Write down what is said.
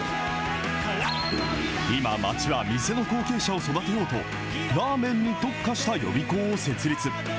今、町は店の後継者を育てようと、らーめんに特化した予備校を設立。